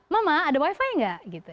mama ada wifi nggak